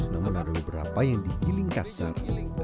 namun ada beberapa yang digiling kasar